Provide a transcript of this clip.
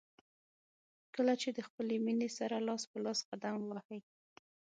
کله چې د خپلې مینې سره لاس په لاس قدم ووهئ.